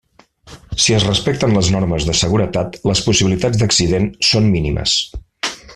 Si es respecten les normes de seguretat, les possibilitats d’accident són mínimes.